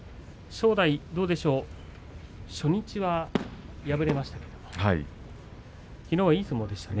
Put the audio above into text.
正代どうでしょう、初日は敗れましたけれどきのうはいい相撲でしたね。